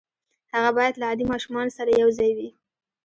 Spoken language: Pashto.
هغه بايد له عادي ماشومانو سره يو ځای وي.